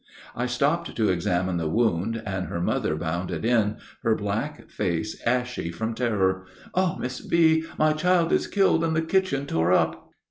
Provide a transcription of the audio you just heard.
I stopped to examine the wound, and her mother bounded in, her black face ashy from terror. "Oh! Miss V., my child is killed and the kitchen tore up."